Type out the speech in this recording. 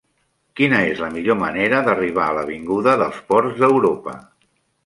Quina és la millor manera d'arribar a l'avinguda dels Ports d'Europa?